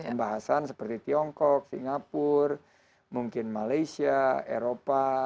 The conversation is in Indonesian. pembahasan seperti tiongkok singapura mungkin malaysia eropa